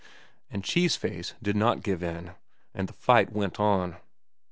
And Cheese Face did not give in, and the fight went on.